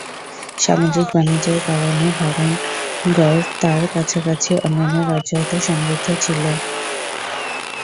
সামুদ্রিক বাণিজ্যের কারণে ভাবনগর তার কাছাকাছি অন্যান্য রাজ্য হতে সমৃদ্ধ ছিল।